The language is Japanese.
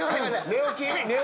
寝起き？